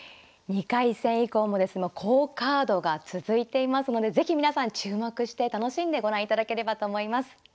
２回戦以降も好カードが続いていますので是非皆さん注目して楽しんでご覧いただければと思います。